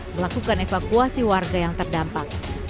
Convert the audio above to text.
melakukan evakuasi warga yang terdampak